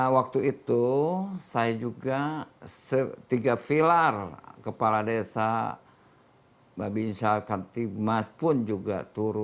waktu itu saya juga setiga filar kepala desa mbak bin syahkan timas pun juga turun